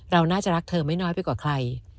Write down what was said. เราน่าจะรักเธอไม่น้อยไปกว่าใคร